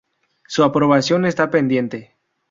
Su aprobación está pendiente.